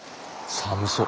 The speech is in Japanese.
寒そう。